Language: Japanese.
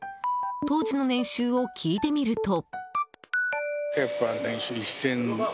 当時の年収を聞いてみると。